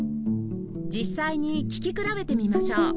実際に聴き比べてみましょう